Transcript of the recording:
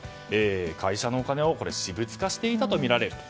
会社のお金を私物化していたとみられる。